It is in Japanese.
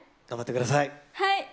頑張ってください。